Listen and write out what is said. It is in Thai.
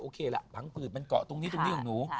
โอเคละพังผืดมันเกาะตรงนี้ของหนู